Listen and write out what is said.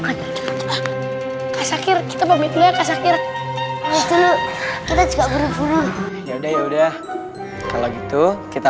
kakak akhir akhir kita memikirkan akhir akhir kita juga berdua ya udah udah kalau gitu kita